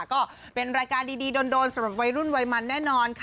ก็เป็นรายการดีดีโดนสำหรับรุ่นไวมันแน่นอน